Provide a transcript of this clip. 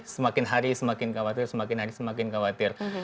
semakin hari semakin khawatir semakin hari semakin khawatir